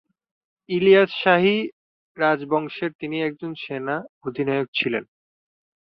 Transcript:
ইলিয়াস শাহি রাজবংশের তিনি একজন সেনা অধিনায়ক ছিলেন।